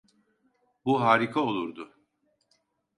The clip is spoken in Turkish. Bu harika olurdu.